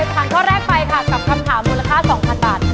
ผ่านข้อแรกไปค่ะกับคำถามมูลค่า๒๐๐๐บาท